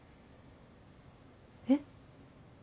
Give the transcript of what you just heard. えっ？